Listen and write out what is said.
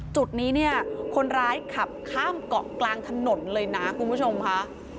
จุดนี้เนี่ยคนร้ายขับข้ามเกาะกลางถนนเลยนะคุณผู้ชมค่ะ